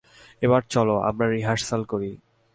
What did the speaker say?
এবার চলো আমরা রিহার্সাল করি।